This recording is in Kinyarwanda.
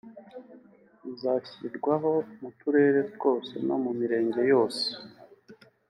rizashyirwaho mu turere twose no mu mirenge yose